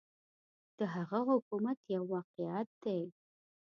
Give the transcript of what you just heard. د هغه حکومت یو واقعیت دی.